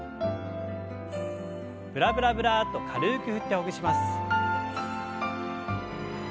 ブラブラブラッと軽く振ってほぐします。